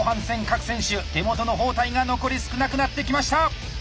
各選手手元の包帯が残り少なくなってきました！